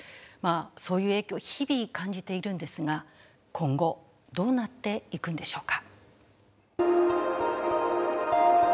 そういう影響日々感じているんですが今後どうなっていくんでしょうか。